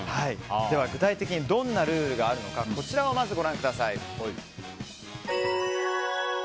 具体的にどんなルールがあるのかこちらをご覧ください。